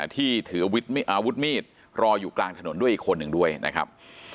ที่ถืออาวุธมีดรออยู่กลางถนนด้วยอีกคนหนึ่งด้วยนะครับ